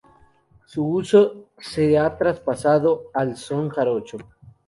Su uso se ha traspasado al son jarocho.